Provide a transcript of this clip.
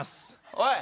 おい！